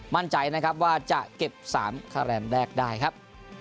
มั่นใจนะครับว่าจะเก็บ๓คะแนนแรกได้ครับ